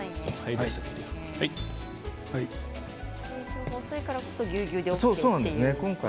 成長が遅いからこそぎゅうぎゅうでもいいんですね。